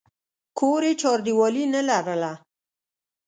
کور یې چاردیوالي نه لرله.